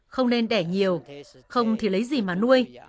không nên đẻ nhiều không thì lấy gì mà nuôi